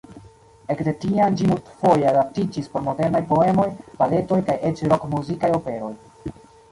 Ekde tiam ĝi multfoje adaptiĝis por modernaj poemoj, baletoj kaj eĉ rok-muzikaj operoj.